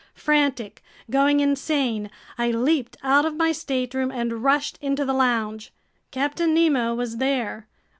Frantic, going insane, I leaped out of my stateroom and rushed into the lounge. Captain Nemo was there.